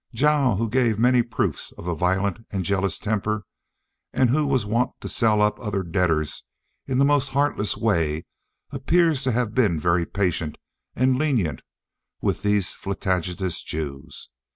Jah, who gave many proofs of a violent and jealous temper, and who was wont to sell up other debtors in the most heartless way, appears to have been very patient and lenient with these flagitious Jews.